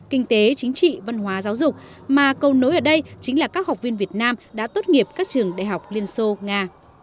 kinh tế chính trị văn hóa giáo dục mà câu nối ở đây chính là các học viên việt nam đã tốt nghiệp các trường đại học liên xô nga